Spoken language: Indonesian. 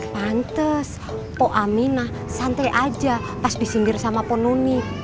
pantes po aminah santai aja pas bisinggir sama ponuni